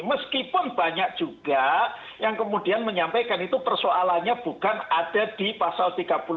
meskipun banyak juga yang kemudian menyampaikan itu persoalannya bukan ada di pasal tiga puluh delapan